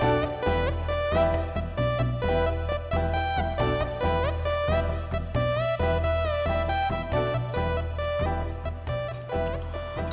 jadi mari kita ber depuis